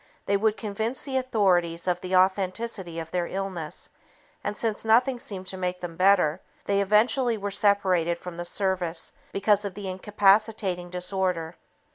They would convince the authorities of the authenticity of their "illness," and since nothing seemed to make them better, they eventually were separated from the service because of the incapacitating disorder.